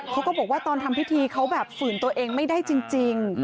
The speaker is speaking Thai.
เขาก็บอกว่าตอนทำพิธีเขาแบบฝืนตัวเองไม่ได้จริง